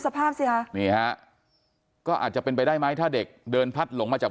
สภาพสิฮะนี่ฮะก็อาจจะเป็นไปได้ไหมถ้าเด็กเดินพลัดหลงมาจาก